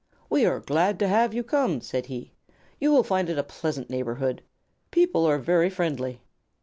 "We are glad to have you come," said he. "You will find it a pleasant neighborhood. People are very friendly."